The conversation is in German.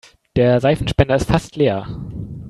Der Seifenspender ist fast leer.